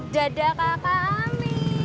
dadah kakak amin